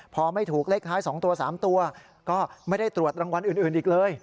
พอไม่ถูกเลขท้าย๒ตัว๓ตัวก็ไม่ได้ตรวจรางวัลอื่นอีกเลย